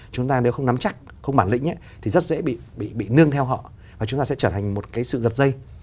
chúng ta bị nương theo họ và chúng ta sẽ trở thành một cái sự giật dây